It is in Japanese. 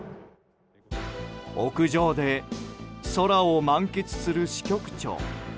屋上で空を満喫する支局長。